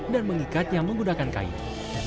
dan mengikatnya menggunakan kain